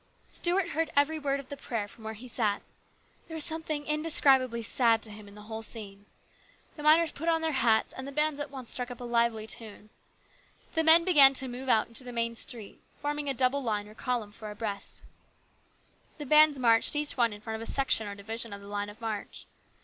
54 HIS BROTHER'S KEEPER. Stuart heard every word of the prayer from where he sat. There was something indescribably sad to him in the whole scene. The miners put on their hats, and the bands at once struck up a lively tune. The men began to move out into the main street, forming a double line or column four abreast. The bands marched each one in front of a section or division of the line of march.